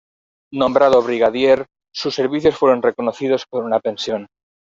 Nombrado brigadier, sus servicios fueron reconocidos con una pensión.